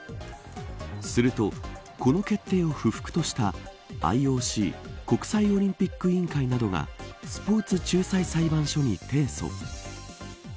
すると、この決定を不服としたＩＯＣ国際オリンピック委員会などがスポーツ仲裁裁判所に提訴。